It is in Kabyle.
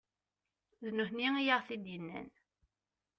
D nutni i aɣ-t-id-innan.